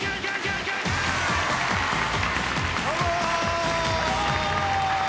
どうも！